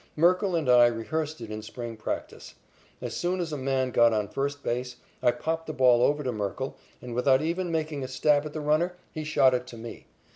Merkle and I rehearsed it in spring practice. As soon as a man got on first base, I popped the ball over to Merkle, and without even making a stab at the runner, he shot it to me.